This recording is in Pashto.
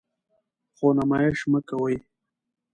خو نمایش مه کوئ.